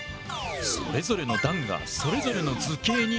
それぞれの段がそれぞれの図形に。